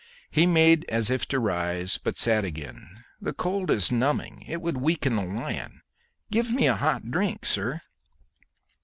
He made as if to rise, but sat again. "The cold is numbing; it would weaken a lion. Give me a hot drink, sir."